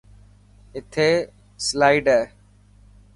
اٿي سلائڊ هي .